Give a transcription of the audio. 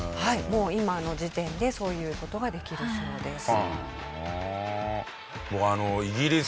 もう今の時点でそういう事ができるそうです。